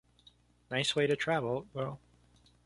Nice way to travel, though!